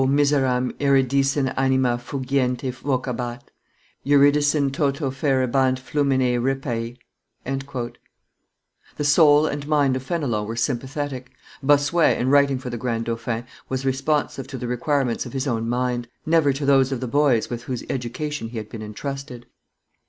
miseram Euridicen anima fugiente vocabat; Euridicen toto referebant flumine ripx.'" The soul and mind of Fenelon were sympathetic; Bossuet, in writing for the grand dauphin, was responsive to the requirements of his own mind, never to those of the boy's with whose education he had been intrusted.